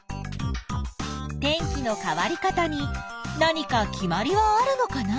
天気の変わり方に何か決まりはあるのかな？